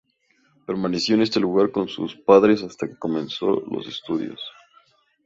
Permaneció en este lugar con sus padres hasta que comenzó los estudios.